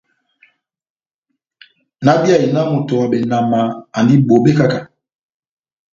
Náhábíyahi náh moto wa benama andi bobé kahá-kahá.